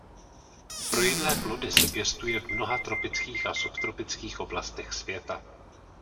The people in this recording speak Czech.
Pro jedlé plody se pěstuje v mnoha tropických a subtropických oblastech světa.